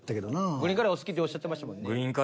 グリーンカレーお好きっておっしゃってましたもんね。